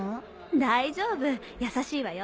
大丈夫優しいわよ。